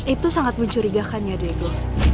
itu sangat mencurigakan ya diego